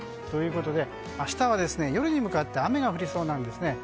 ということで明日は夜に向かって雨が降りそうなんです。